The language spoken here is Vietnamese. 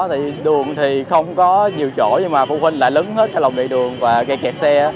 thì đường thì không có nhiều chỗ nhưng mà phụ huynh lại lứng hết cho lòng đẩy đường và gây kẹt xe